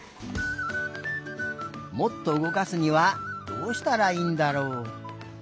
もっとうごかすにはどうしたらいいんだろう？